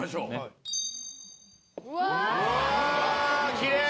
きれい！